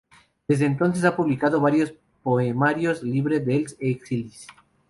Desde entonces ha publicado varios poemarios "Llibre dels exilis.